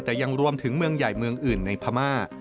แต่ยังรวมถึงเมืองใหญ่เมืองอื่นในพม่า